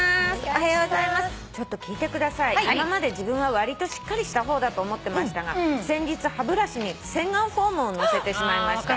「おはようございますちょっと聞いてください」「今まで自分はわりとしっかりした方だと思ってましたが先日歯ブラシに洗顔フォームをのせてしまいました」